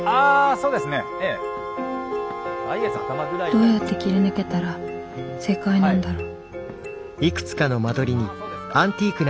どうやって切り抜けたら正解なんだろうわ。